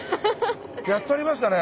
やっとありましたね！